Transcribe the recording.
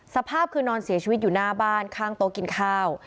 สภาพคือนอนเสียชีวิตอยู่หน้าบ้านข้างโต๊ะกินข้าว